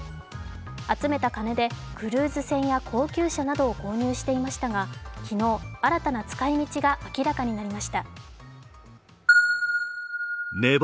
集めた金でクルーズ船や高級車などを購入していましたが、昨日、新たな使いみちが明らかになりました。